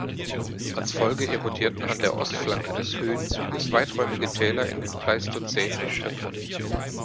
Als Folge erodierten an der Ostflanke des Höhenzuges weiträumige Täler in den pleistozänen Untergrund.